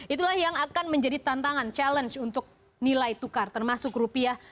itulah yang akan menjadi tantangan challenge untuk nilai tukar termasuk rupiah